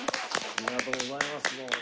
ありがとうございますどうも。